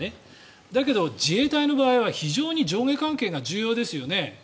だけど、自衛隊の場合は非常に上下関係が重要ですよね。